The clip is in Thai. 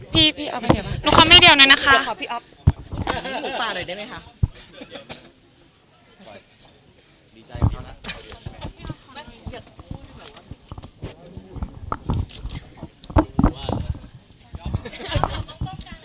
พี่อ๊อฟขอบคุณค่ะ